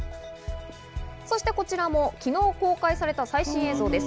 そしてこちらも昨日公開された最新映像です。